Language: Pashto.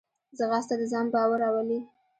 ځغاسته د ځان باور راولي